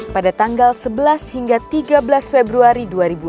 pada tanggal sebelas hingga tiga belas februari dua ribu enam belas